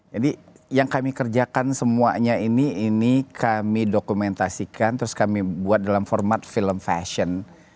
yang kami kerjakan semuanya ini ini kami dokumentasikan terus kami buat dalam format film fashion